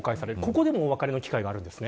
ここでも、お別れの機会があります。